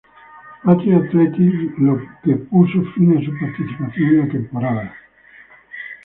Patrick's Athletic, lo que puso fin a su participación en la temporada.